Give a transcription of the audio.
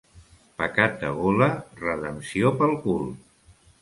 Pecat de gola, redempció pel cul.